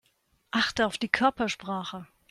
Achte auf die Körpersprache.